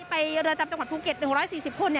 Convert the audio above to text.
เรือนจำจังหวัดภูเก็ต๑๔๐คน